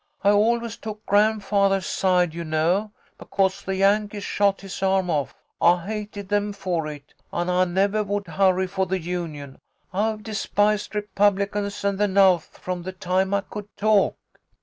" I always took grandfathah's side, you know, because the Yankees shot his arm off. I hated 'em for it, and I nevah would hurrah for the Union. I've despised Re publicans and the Nawth from the time I could talk."